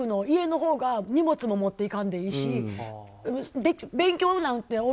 家のほうが荷物も持っていかんでいいし勉強なんて